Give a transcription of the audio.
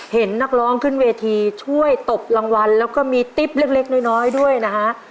เห็นนักร้องขึ้นเวทีช่วยตบรางวัลแล้วก็มีติ๊บเล็กน้อยด้วยนะฮะ